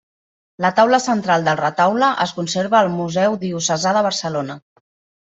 La taula central del retaule es conserva al museu Diocesà de Barcelona.